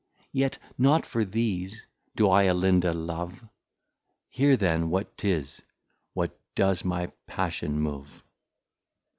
Yet not for these do I Alinda love, Hear then what 'tis, that does my Passion move.